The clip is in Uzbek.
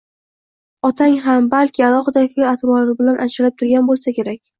Otang ham, balki, alohida fe`l-atvori bilan ajralib turgan bo`lsa kerak